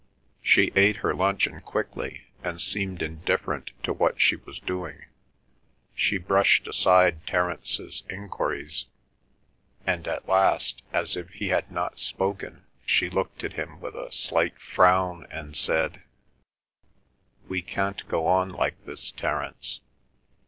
She ate her luncheon quickly, and seemed indifferent to what she was doing. She brushed aside Terence's enquiries, and at last, as if he had not spoken, she looked at him with a slight frown and said: "We can't go on like this, Terence.